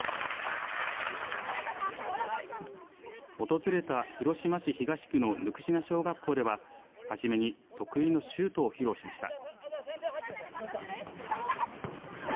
訪れた広島市東区の温品小学校でははじめに得意のシュートを披露しました。